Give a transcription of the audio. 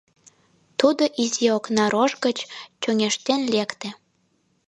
Тудо изи окна рож гыч чоҥештен лекте.